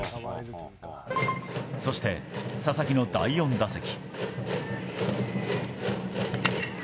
そして佐々木の第４打席。